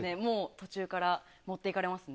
途中から持っていかれますね。